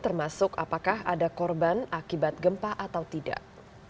termasuk apakah ada korban akibat gempa atau tidak